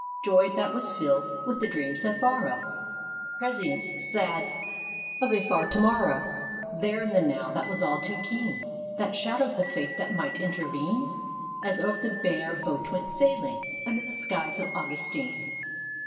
Joy that was filled with the dreams that borrow Prescience sad of a far To morrow, There in the Now that was all too keen, That shadowed the fate that might intervene? As over the bay our boat went sailing Under the skies of Augustine.